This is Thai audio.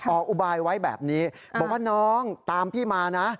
อุบายไว้แบบนี้บอกว่าน้องตามพี่มานะ